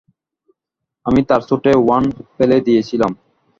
আমি তার স্যুটে ওয়াইন ফেলে দিয়েছিলাম।